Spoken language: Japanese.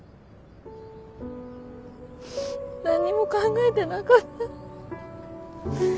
何にも考えてなかった。